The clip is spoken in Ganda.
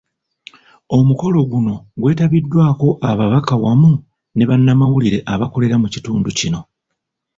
Omukolo guno gwetabiddwako ababaka wamu ne bannamawulire abakolera mu kitundu kino.